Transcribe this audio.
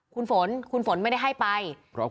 คุณฝนคุณฝนไม่ได้ให้ไป